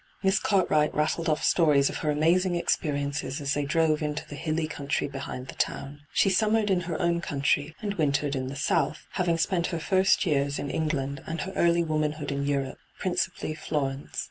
Miss Cart wright rattled off stories of her amazing experiences as they drove into the hilly country behind the town. She summered in her own country and wintered in the South, having spent her first years in hyGoo>^lc ENTRAPPED 147 England, and iit r early womanhood in, Europe, principally Florence.